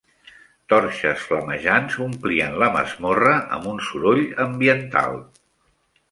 Torxes flamejants omplien la masmorra amb un soroll ambiental.